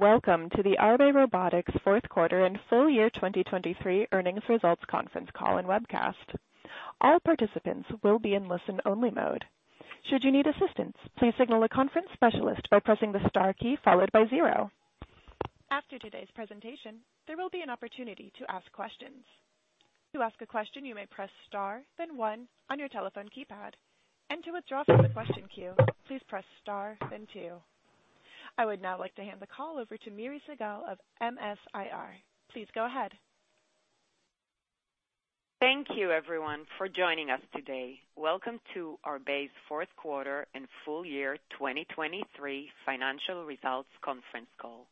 Hello, and welcome to the Arbe Robotics fourth quarter and full year 2023 earnings results conference call and webcast. All participants will be in listen-only mode. Should you need assistance, please signal a conference specialist by pressing the star key followed by zero. After today's presentation, there will be an opportunity to ask questions. To ask a question, you may press star, then one on your telephone keypad, and to withdraw from the question queue, please press star then two. I would now like to hand the call over to Miri Segal of MS-IR. Please go ahead. Thank you everyone for joining us today. Welcome to Arbe's fourth quarter and full year 2023 financial results conference call.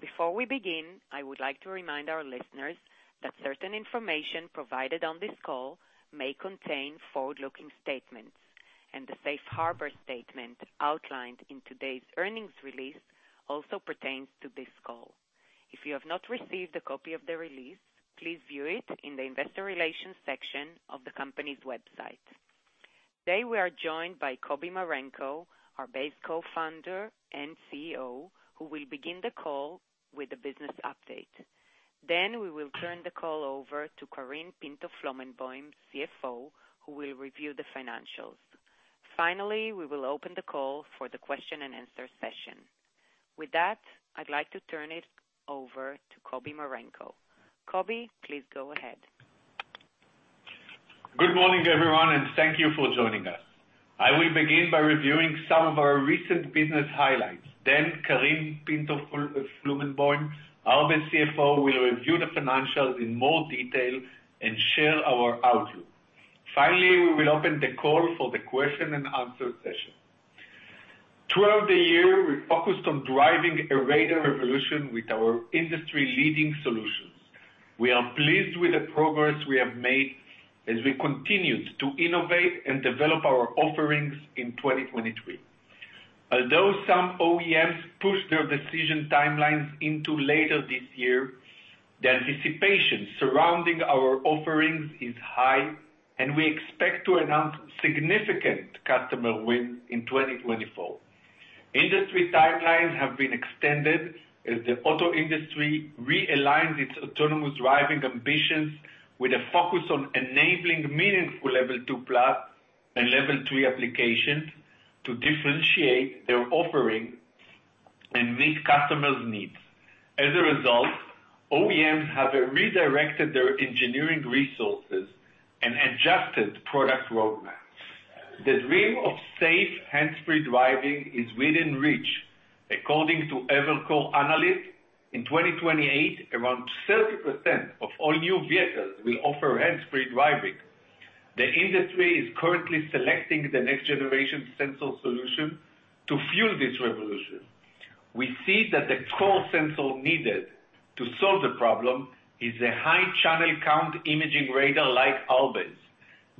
Before we begin, I would like to remind our listeners that certain information provided on this call may contain forward-looking statements, and the safe harbor statement outlined in today's earnings release also pertains to this call. If you have not received a copy of the release, please view it in the investor relations section of the company's website. Today, we are joined by Kobi Marenko, our co-founder and CEO, who will begin the call with a business update. Then we will turn the call over to Karine Pinto-Flomenboim, CFO, who will review the financials. Finally, we will open the call for the question and answer session. With that, I'd like to turn it over to Kobi Marenko. Kobi, please go ahead. Good morning, everyone, and thank you for joining us. I will begin by reviewing some of our recent business highlights. Then Karine Pinto-Flomenboim, our CFO, will review the financials in more detail and share our outlook. Finally, we will open the call for the question and answer session. Throughout the year, we focused on driving a radar revolution with our industry-leading solutions. We are pleased with the progress we have made as we continued to innovate and develop our offerings in 2023. Although some OEMs pushed their decision timelines into later this year, the anticipation surrounding our offerings is high, and we expect to announce significant customer wins in 2024. Industry timelines have been extended as the auto industry realigns its autonomous driving ambitions with a focus on enabling meaningful Level 2+ and Level 3 applications to differentiate their offering and meet customers' needs. As a result, OEMs have redirected their engineering resources and adjusted product roadmaps. The dream of safe hands-free driving is within reach. According to Evercore analyst, in 2028, around 30% of all new vehicles will offer hands-free driving. The industry is currently selecting the next generation sensor solution to fuel this revolution. We see that the core sensor needed to solve the problem is a high channel count imaging radar like Arbe's.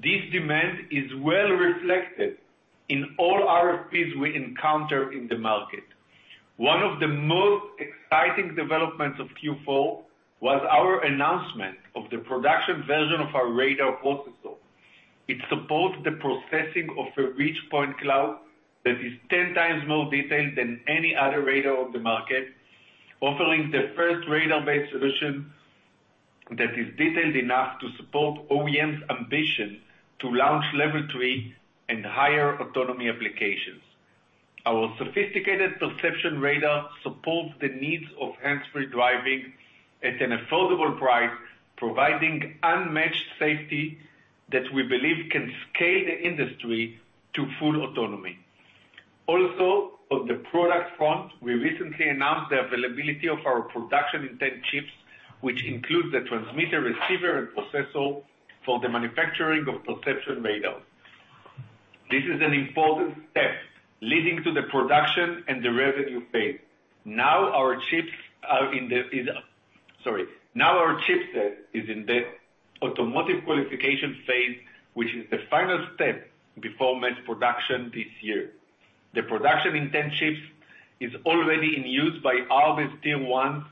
This demand is well reflected in all RFPs we encounter in the market. One of the most exciting developments of Q4 was our announcement of the production version of our radar processor. It supports the processing of a rich point cloud that is 10 times more detailed than any other radar on the market, offering the first radar-based solution that is detailed enough to support OEM's ambition to launch Level 3 and higher autonomy applications. Our sophisticated perception radar supports the needs of hands-free driving at an affordable price, providing unmatched safety that we believe can scale the industry to full autonomy. Also, on the product front, we recently announced the availability of our production intent chips, which include the transmitter, receiver, and processor for the manufacturing of perception radar. This is an important step leading to the production and the revenue phase. Now our chipset is in the automotive qualification phase, which is the final step before mass production this year. The production intent chips is already in use by our Tier 1s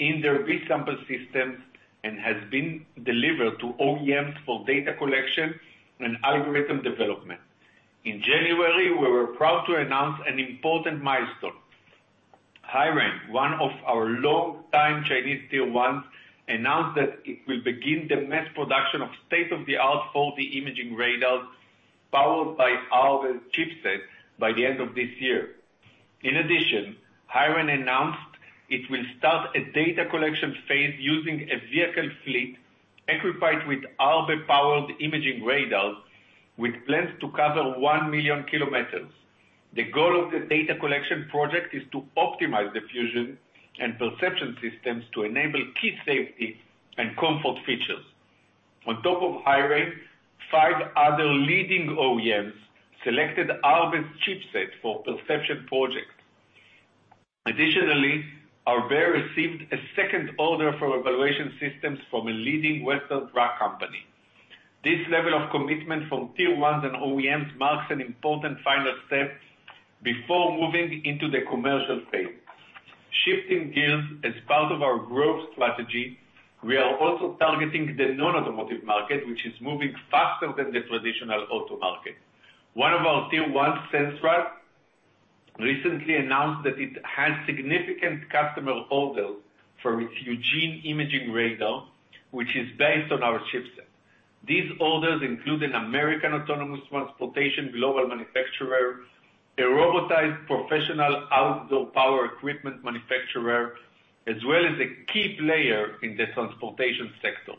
in their pre-sample systems and has been delivered to OEMs for data collection and algorithm development. In January, we were proud to announce an important milestone. HiRain, one of our longtime Chinese Tier 1s, announced that it will begin the mass production of state-of-the-art 4D imaging radars, powered by our chipset by the end of this year. In addition, HiRain announced it will start a data collection phase using a vehicle fleet equipped with Arbe-powered imaging radars, with plans to cover 1 million kilometers. The goal of the data collection project is to optimize the fusion and perception systems to enable key safety and comfort features. On top of HiRain, five other leading OEMs selected Arbe's chipset for perception projects. Additionally, Arbe received a second order for evaluation systems from a leading Western Truck Company. This level of commitment from Tier 1s and OEMs marks an important final step before moving into the commercial phase. Shifting gears, as part of our growth strategy, we are also targeting the non-automotive market, which is moving faster than the traditional auto market. One of our Tier 1 Sensrad recently announced that it has significant customer orders for its Hugin imaging radar, which is based on our chipset. These orders include an American autonomous transportation global manufacturer, a robotized professional outdoor power equipment manufacturer, as well as a key player in the transportation sector.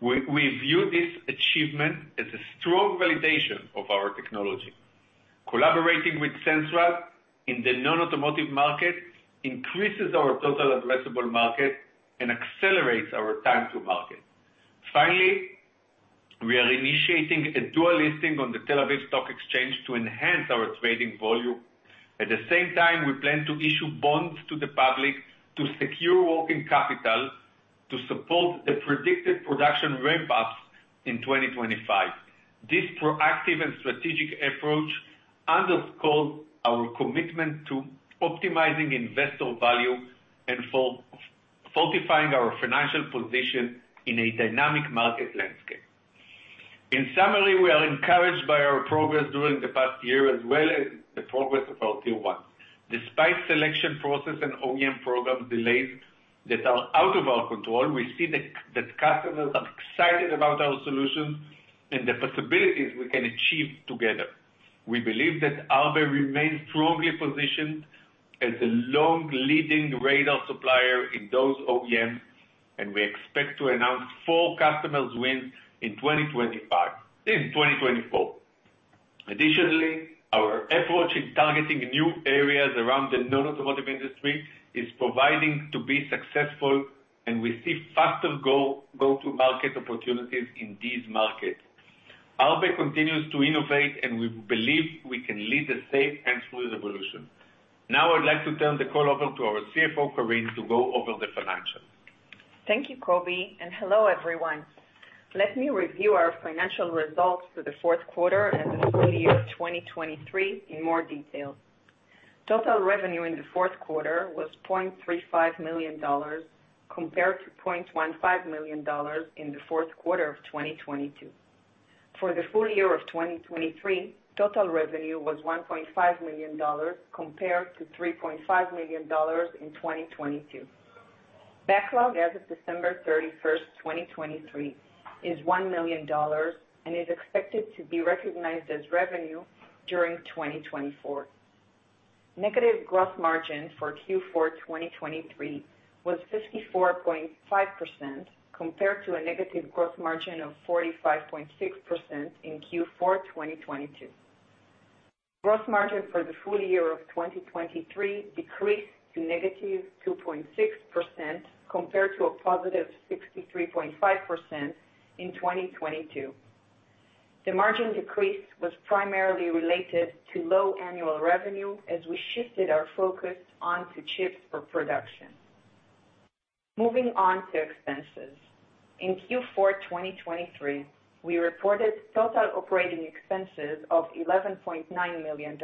We view this achievement as a strong validation of our technology. Collaborating with Sensrad in the non-automotive market increases our total addressable market and accelerates our time to market. Finally, we are initiating a dual listing on the Tel Aviv Stock Exchange to enhance our trading volume. At the same time, we plan to issue bonds to the public to secure working capital to support the predicted production ramp-ups in 2025. This proactive and strategic approach underscores our commitment to optimizing investor value and for fortifying our financial position in a dynamic market landscape. In summary, we are encouraged by our progress during the past year, as well as the progress of our Tier 1. Despite selection process and OEM program delays that are out of our control, we see that customers are excited about our solutions and the possibilities we can achieve together. We believe that Arbe remains strongly positioned as the long-leading radar supplier in those OEMs, and we expect to announce four customer wins in 2025, in 2024. Additionally, our approach in targeting new areas around the non-automotive industry is proving to be successful, and we see faster go-to-market opportunities in these markets. Arbe continues to innovate, and we believe we can lead a safe and smooth evolution. Now, I'd like to turn the call over to our CFO, Karine, to go over the financials. Thank you, Kobi, and hello, everyone. Let me review our financial results for the fourth quarter and the full year of 2023 in more detail. Total revenue in the fourth quarter was $0.35 million, compared to $0.15 million in the fourth quarter of 2022. For the full year of 2023, total revenue was $1.5 million, compared to $3.5 million in 2022. Backlog as of December 31, 2023, is $1 million and is expected to be recognized as revenue during 2024. Negative gross margin for Q4 2023 was 54.5%, compared to a negative gross margin of 45.6% in Q4 2022. Gross margin for the full year of 2023 decreased to -2.6%, compared to a positive 63.5% in 2022. The margin decrease was primarily related to low annual revenue as we shifted our focus onto chip for production. Moving on to expenses. In Q4 2023, we reported total operating expenses of $11.9 million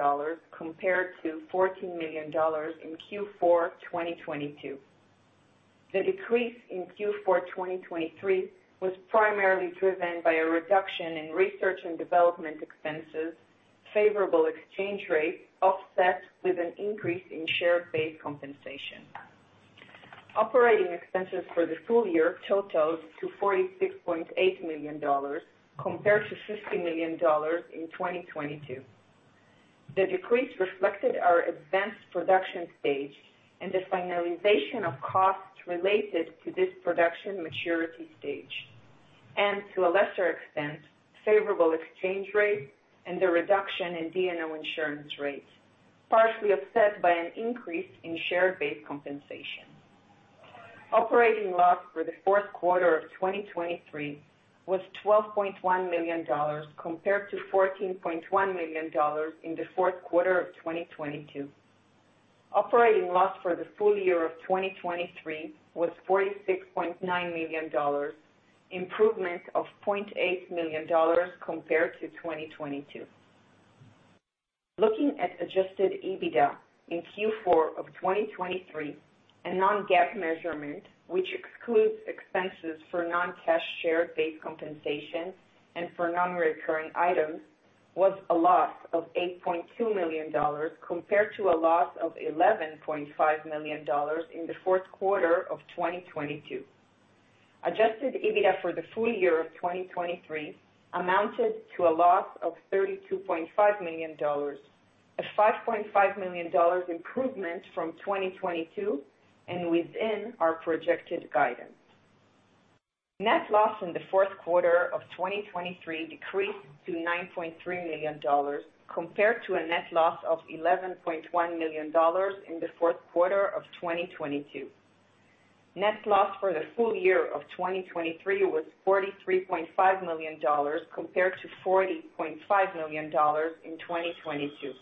compared to $14 million in Q4 2022. The decrease in Q4 2023 was primarily driven by a reduction in research and development expenses, favorable exchange rate, offset with an increase in share-based compensation. Operating expenses for the full year totaled to $46.8 million, compared to $50 million in 2022. The decrease reflected our advanced production stage and the finalization of costs related to this production maturity stage, and to a lesser extent, favorable exchange rate and the reduction in D&O insurance rates, partially offset by an increase in share-based compensation. Operating loss for the fourth quarter of 2023 was $12.1 million, compared to $14.1 million in the fourth quarter of 2022. Operating loss for the full year of 2023 was $46.9 million, improvement of $0.8 million compared to 2022. Looking at adjusted EBITDA in Q4 of 2023, a non-GAAP measurement, which excludes expenses for non-cash share-based compensation and for non-recurring items, was a loss of $8.2 million, compared to a loss of $11.5 million in the fourth quarter of 2022. Adjusted EBITDA for the full year of 2023 amounted to a loss of $32.5 million, a $5.5 million improvement from 2022, and within our projected guidance. Net loss in the fourth quarter of 2023 decreased to $9.3 million, compared to a net loss of $11.1 million in the fourth quarter of 2022. Net loss for the full year of 2023 was $43.5 million, compared to $40.5 million in 2022.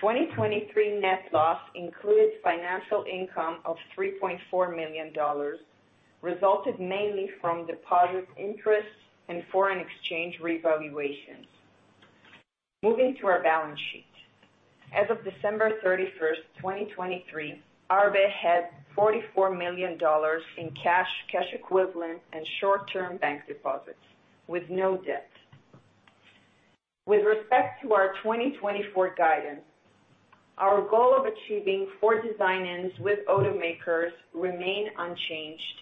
2023 net loss includes financial income of $3.4 million, resulted mainly from deposit interest and foreign exchange revaluations. Moving to our balance sheet. As of December 31st, 2023, Arbe had $44 million in cash, cash equivalent, and short-term bank deposits, with no debt. With respect to our 2024 guidance, our goal of achieving four design-ins with automakers remain unchanged,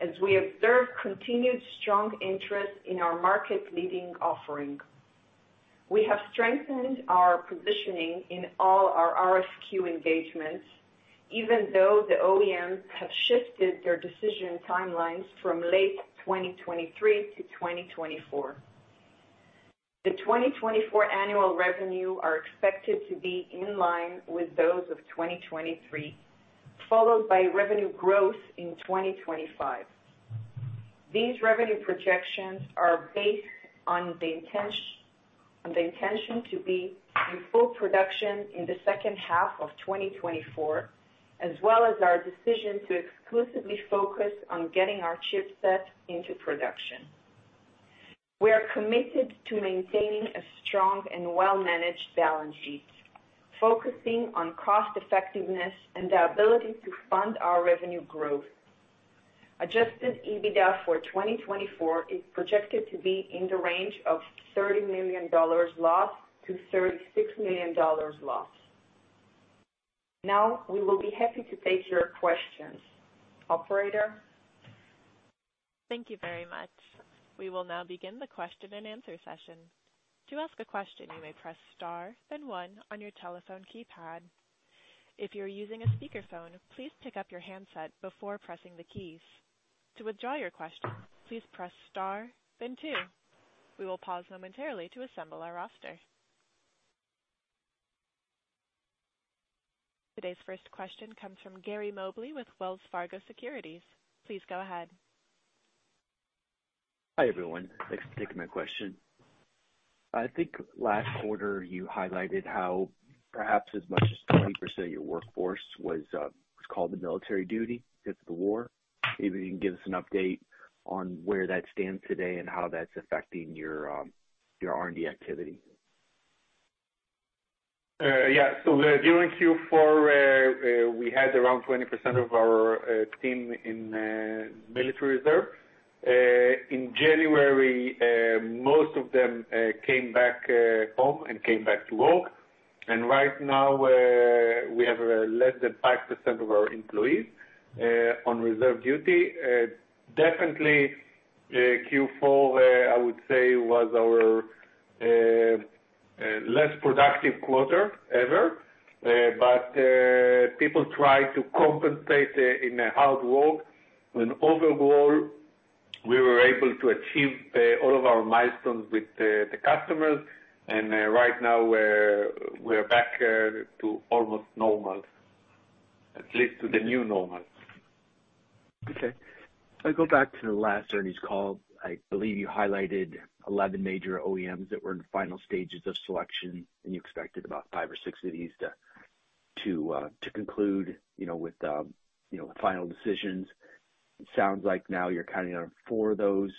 as we observe continued strong interest in our market-leading offering. We have strengthened our positioning in all our RFQ engagements, even though the OEMs have shifted their decision timelines from late 2023 to 2024. The 2024 annual revenue are expected to be in line with those of 2023, followed by revenue growth in 2025. These revenue projections are based on the intention to be in full production in the second half of 2024, as well as our decision to exclusively focus on getting our chipset into production. We are committed to maintaining a strong and well-managed balance sheet, focusing on cost effectiveness and the ability to fund our revenue growth. Adjusted EBITDA for 2024 is projected to be in the range of $30 million-$36 million loss. Now, we will be happy to take your questions. Operator? Thank you very much. We will now begin the question and answer session. To ask a question, you may press star then one on your telephone keypad. If you're using a speakerphone, please pick up your handset before pressing the keys. To withdraw your question, please press star then two. We will pause momentarily to assemble our roster. Today's first question comes from Gary Mobley with Wells Fargo Securities. Please go ahead. Hi, everyone. Thanks for taking my question. I think last quarter you highlighted how perhaps as much as 20% of your workforce was called to military duty because of the war. Maybe you can give us an update on where that stands today and how that's affecting your R&D activity. Yeah. So during Q4, we had around 20% of our team in military reserve. In January, most of them came back home and came back to work, and right now, we have less than 5% of our employees on reserve duty. Definitely, Q4, I would say was our less productive quarter ever. But people tried to compensate in the hard work. Overall, we were able to achieve all of our milestones with the customers, and right now we're back to almost normal, at least to the new normal. Okay. I go back to the last earnings call. I believe you highlighted 11 major OEMs that were in the final stages of selection, and you expected about 5 or 6 of these to conclude, you know, with final decisions. It sounds like now you're counting on 4 of those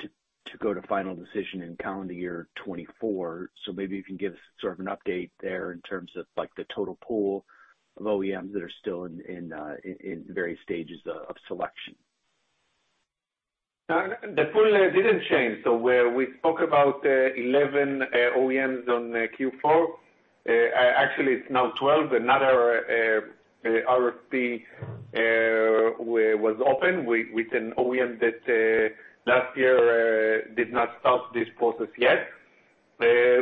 to go to final decision in calendar year 2024. So maybe you can give us sort of an update there in terms of, like, the total pool of OEMs that are still in various stages of selection. The pool didn't change. So where we talk about 11 OEMs on Q4, actually it's now 12. Another RFP was open with an OEM that last year did not start this process yet.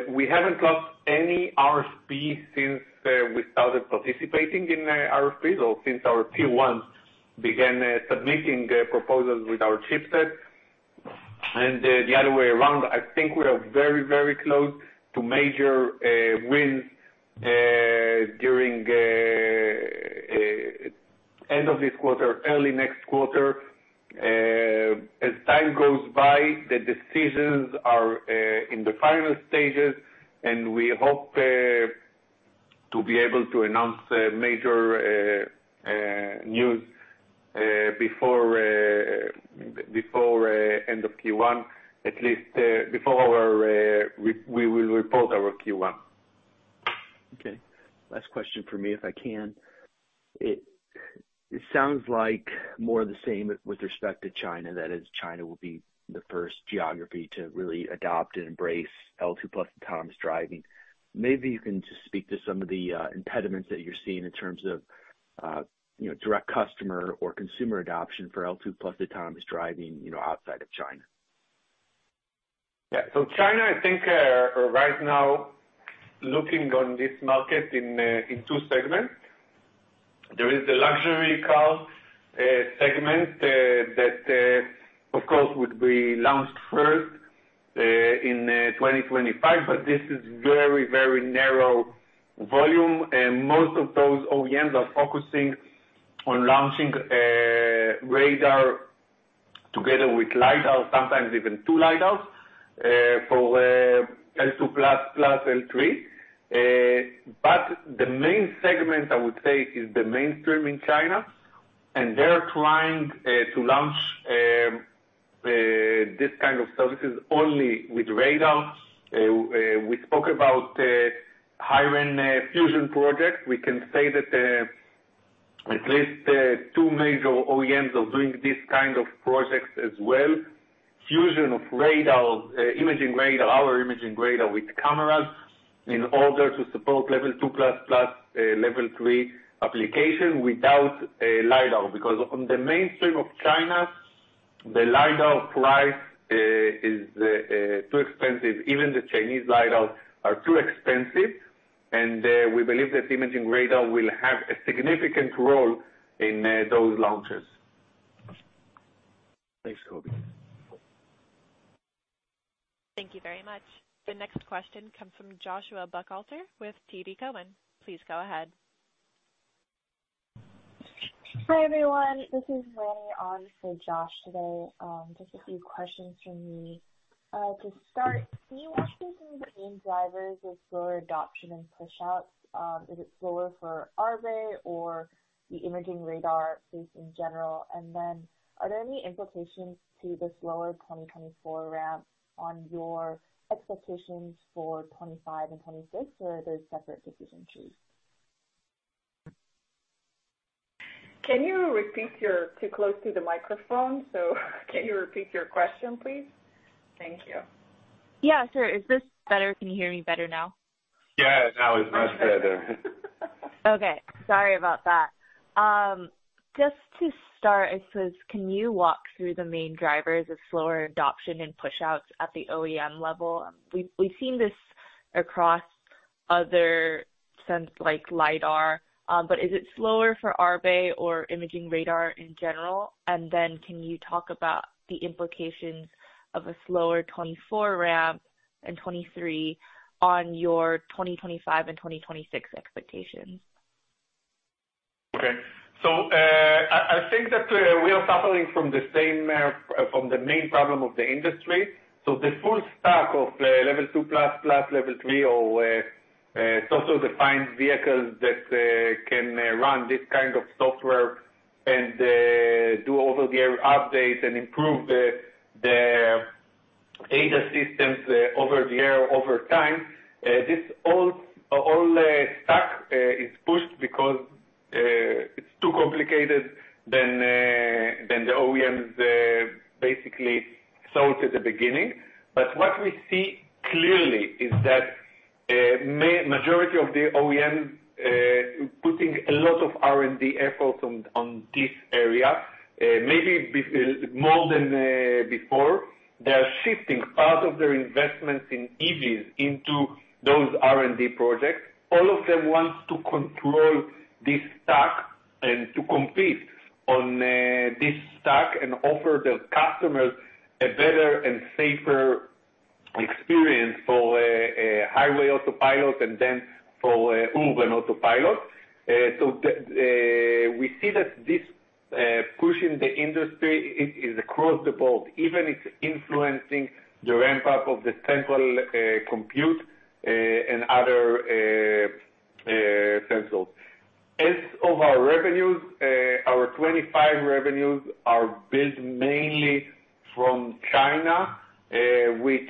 We haven't got any RFP since we started participating in RFP or since our Q1 began submitting proposals with our chipset. And the other way around, I think we are very, very close to major win during end of this quarter, early next quarter. As time goes by, the decisions are in the final stages, and we hope to be able to announce major news before end of Q1, at least before we will report our Q1. Okay. Last question for me, if I can. It sounds like more of the same with respect to China, that is, China will be the first geography to really adopt and embrace L2+ autonomous driving. Maybe you can just speak to some of the impediments that you're seeing in terms of, you know, direct customer or consumer adoption for L2+ autonomous driving, you know, outside of China. Yeah. So China, I think, right now, looking on this market in two segments. There is the luxury car segment that, of course, would be launched first in 2025, but this is very, very narrow volume, and most of those OEMs are focusing on launching radar together with LiDAR, sometimes even two LiDARs for L2+ plus L3. But the main segment, I would say, is the mainstream in China, and they're trying to launch this kind of services only with radar. We spoke about HiRain fusion project. We can say that at least two major OEMs are doing this kind of projects as well. Fusion of radar, imaging radar, our imaging radar, with cameras in order to support Level 2+ plus Level 3 application without a LiDAR. Because on the mainstream of China, the LiDAR price is too expensive. Even the Chinese LiDAR are too expensive, and we believe that imaging radar will have a significant role in those launches. Thanks, Kobi. Thank you very much. The next question comes from Joshua Buchalter with TD Cowen. Please go ahead. Hi, everyone. This is Winnie on for Josh today. Just a few questions from me. To start, can you walk through the main drivers of slower adoption and pushouts? Is it slower for Arbe or the imaging radar space in general? And then are there any implications to the slower 2024 ramp on your expectations for 2025 and 2026, or are those separate deficiencies? Can you repeat? You're too close to the microphone, so can you repeat your question, please? Thank you. Yeah, sure. Is this better? Can you hear me better now? Yeah, now it's much better. Okay. Sorry about that. Just to start, I says, can you walk through the main drivers of slower adoption and pushouts at the OEM level? We've seen this across other sensors, like LiDAR, but is it slower for Arbe or imaging radar in general? And then can you talk about the implications of a slower 2024 ramp and 2023 on your 2025 and 2026 expectations? Okay. So, I think that we are suffering from the same main problem of the industry. So the full stack of Level 2+, Level 3 or sort of defines vehicles that can run this kind of software and do over-the-air updates and improve the ADAS over the air over time. This stack is pushed because it's too complicated than the OEMs basically thought at the beginning. But what we see clearly is that majority of the OEMs putting a lot of R&D efforts on this area, maybe more than before. They are shifting part of their investments in EVs into those R&D projects. All of them wants to control this stack and to compete on this stack and offer their customers a better and safer experience for a highway autopilot and then for urban autopilot. So we see that this push in the industry is across the board, even it's influencing the ramp up of the central compute and other sensors. As of our revenues, our 2025 revenues are built mainly from China, which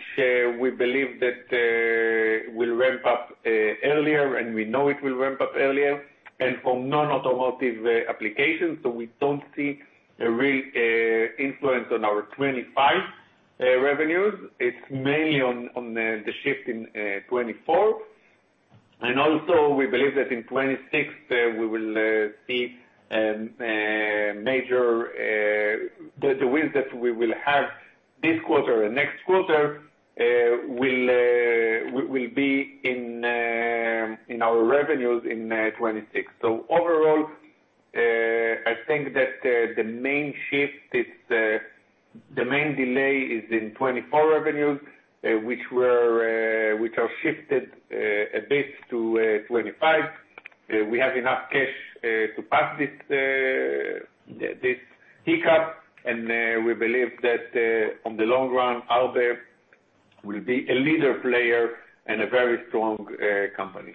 we believe that will ramp up earlier, and we know it will ramp up earlier, and from non-automotive applications, so we don't see a real influence on our 2025 revenues. It's mainly on the shift in 2024. And also we believe that in 2026 we will see major. The wins that we will have this quarter and next quarter will be in our revenues in 2026. So overall, I think that the main delay is in 2024 revenues, which are shifted a bit to 2025. We have enough cash to pass this hiccup, and we believe that on the long run, Arbe will be a leader player and a very strong company.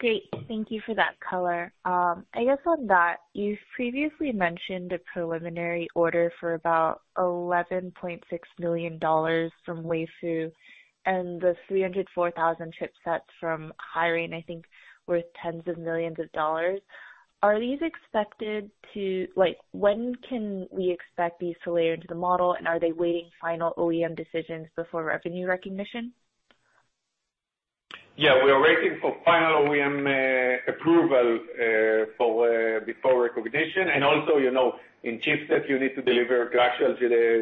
Great. Thank you for that color. I guess on that, you've previously mentioned a preliminary order for about $11.6 million from Weifu and the 304,000 chipsets from HiRain, I think, worth $10s of millions. Are these expected to—like, when can we expect these to layer into the model, and are they waiting final OEM decisions before revenue recognition? Yeah, we are waiting for final OEM approval for before recognition. Also, you know, in chipsets, you need to deliver, to actually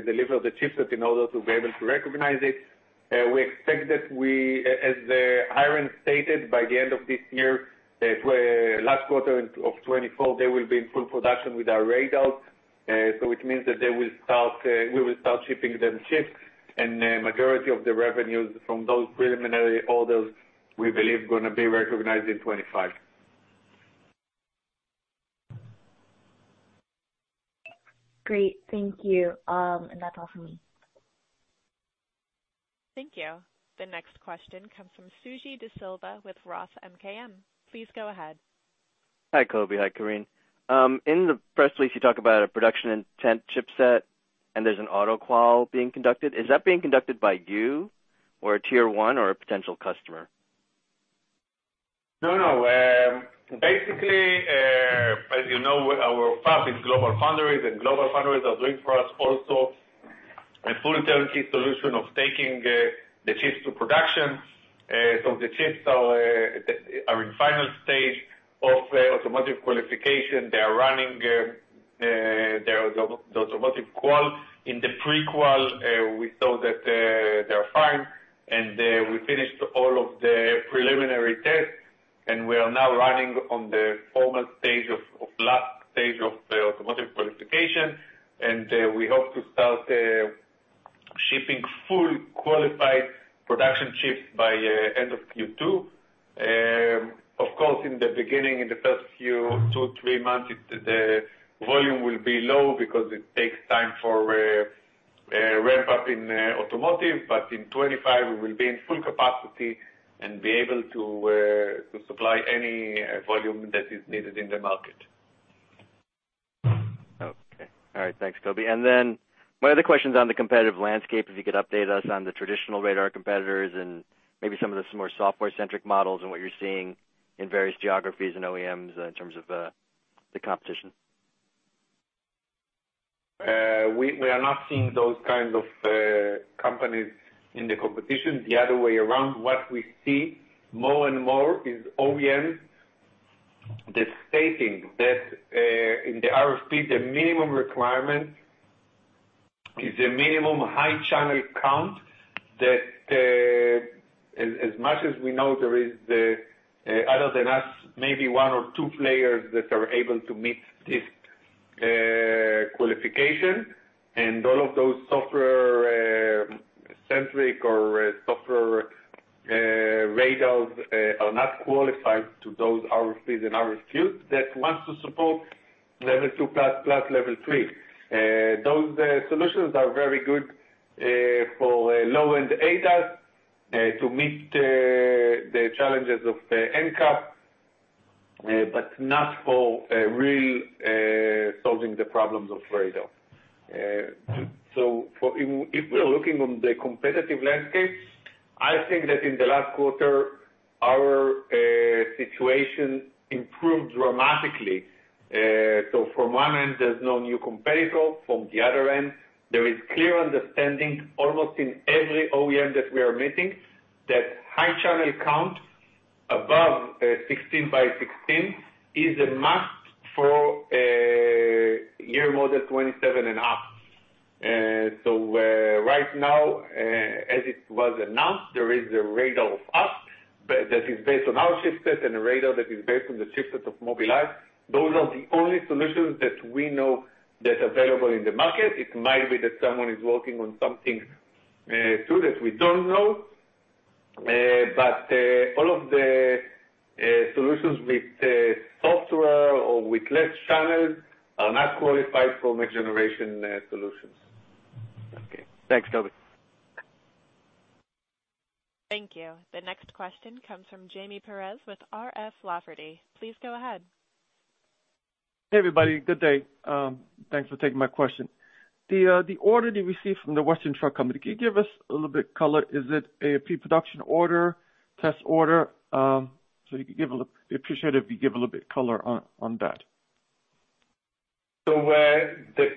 deliver the chipset in order to be able to recognize it. We expect that we, as HiRain stated, by the end of this year, last quarter of 2024, they will be in full production with our radar. So which means that they will start, we will start shipping them chips, and the majority of the revenues from those preliminary orders, we believe, gonna be recognized in 2025. Great. Thank you. That's all for me. Thank you. The next question comes from Suji Desilva with Roth MKM. Please go ahead. Hi, Kobi. Hi, Karine. In the press release, you talk about a production intent chipset, and there's an auto qual being conducted. Is that being conducted by you or a Tier 1 or a potential customer? No, no. Basically, as you know, our fab is GlobalFoundries, and GlobalFoundries are doing for us also a full turnkey solution of taking the chips to production. So the chips are in final stage of automotive qualification. They are running the automotive qual. In the pre-qual, we saw that they are fine, and we finished all of the preliminary tests, and we are now running on the formal stage of last stage of the automotive qualification. And we hope to start shipping full qualified production chips by end of Q2. Of course, in the beginning, in the first two, three months, the volume will be low because it takes time for ramp up in automotive, but in 2025, we will be in full capacity and be able to supply any volume that is needed in the market. Okay. All right. Thanks, Kobi. And then my other question is on the competitive landscape, if you could update us on the traditional radar competitors and maybe some of the more software-centric models and what you're seeing in various geographies and OEMs in terms of the competition? We are not seeing those kinds of companies in the competition. The other way around, what we see more and more is OEMs that stating that in the RFP the minimum requirement is a minimum high channel count, that as much as we know there is the other than us, maybe one or two players that are able to meet this qualification. And all of those software-centric or software radars are not qualified to those RFPs and RFQs that wants to support Level 2++, Level 3. Those solutions are very good for low-end ADAS to meet the challenges of NCAP, but not for real solving the problems of radar. So, if we are looking on the competitive landscape, I think that in the last quarter, our situation improved dramatically. So from one end, there's no new competitor. From the other end, there is clear understanding, almost in every OEM that we are meeting, that high channel count above 16 by 16 is a must for year model 2027 and up. So, right now, as it was announced, there is a radar of us, but that is based on our chipset and a radar that is based on the chipset of Mobileye. Those are the only solutions that we know that are available in the market. It might be that someone is working on something too that we don't know. But all of the solutions with software or with less channels are not qualified for next generation solutions. Okay. Thanks, Kobi. Thank you. The next question comes from Jaime Perez with RF Lafferty. Please go ahead. Hey, everybody. Good day. Thanks for taking my question. The order that you received from the Western Truck Company, can you give us a little bit color? Is it a pre-production order, test order? We appreciate it if you give a little bit color on that. The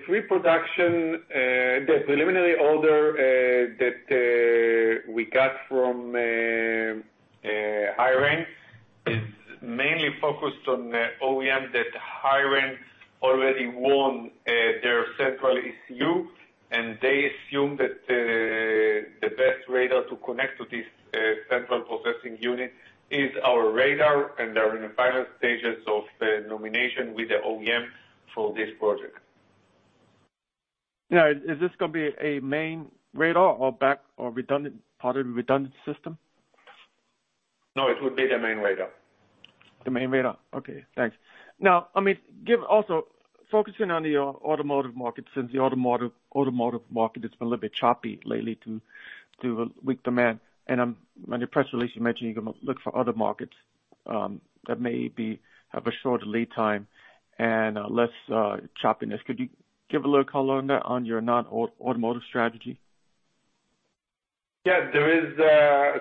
preliminary order that we got from HiRain is mainly focused on the OEM that HiRain already won, their central ECU, and they assume that the best radar to connect to this central processing unit is our radar, and they're in the final stages of the nomination with the OEM for this project. Now, is this gonna be a main radar or back or redundant, part of the redundant system? No, it would be the main radar. The main radar. Okay, thanks. Now, I mean, also, focusing on the automotive market, since the automotive market has been a little bit choppy lately due to weak demand, and on your press release, you mentioned you're gonna look for other markets that maybe have a shorter lead time and less choppiness. Could you give a little color on that, on your non-automotive strategy? Yeah, there is.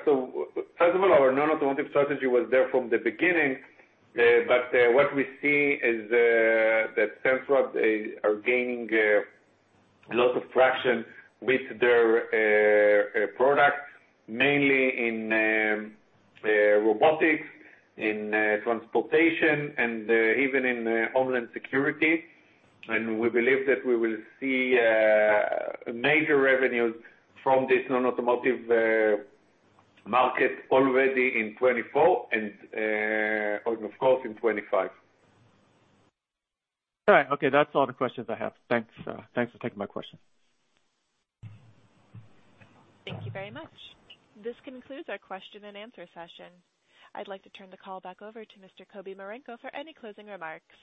So first of all, our non-automotive strategy was there from the beginning, but what we see is that Sensrad are gaining lots of traction with their product, mainly in robotics, in transportation, and even in homeland security. And we believe that we will see major revenues from this non-automotive market already in 2024 and, and of course, in 2025. All right. Okay, that's all the questions I have. Thanks, thanks for taking my question. Thank you very much. This concludes our question and answer session. I'd like to turn the call back over to Mr. Kobi Marenko for any closing remarks.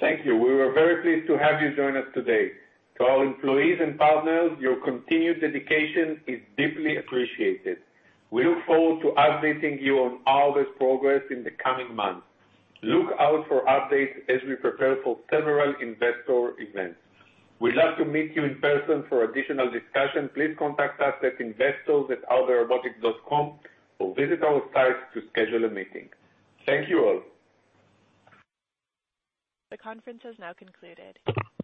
Thank you. We were very pleased to have you join us today. To our employees and partners, your continued dedication is deeply appreciated. We look forward to updating you on all this progress in the coming months. Look out for updates as we prepare for several investor events. We'd love to meet you in person for additional discussion. Please contact us at investors@arbe.com, or visit our site to schedule a meeting. Thank you, all. The conference has now concluded.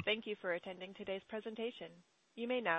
Thank you for attending today's presentation. You may now disconnect.